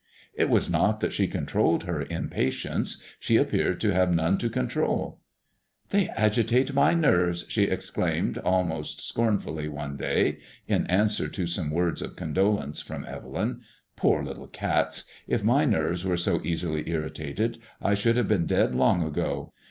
It was not that she controlled her impatience ; she appeared to have none to control. " They agitate my nerves I " she exclaimed almost scornfully one day, in answer to some words of condolence from Evelyn. " Poor little cats ! If my nerves were so easily irritated, I should have been dead long ago.